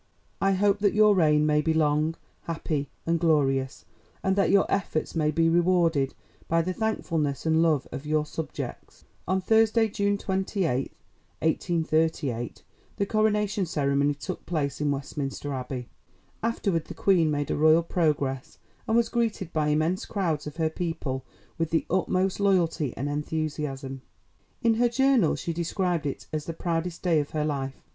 I hope that your reign may be long, happy, and glorious, and that your efforts may be rewarded by the thankfulness and love of your subjects." On Thursday, June 28, 1838, the coronation ceremony took place in Westminster Abbey. Afterward the Queen made a royal progress and was greeted by immense crowds of her people with the utmost loyalty and enthusiasm. In her journal she described it as the proudest day of her life.